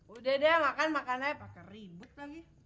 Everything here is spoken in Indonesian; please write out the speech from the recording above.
udah deh makan makan aja pake ribet lagi